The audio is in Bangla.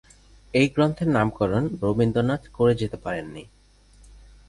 এই গ্রন্থের নামকরণ রবীন্দ্রনাথ করে যেতে পারেন নি।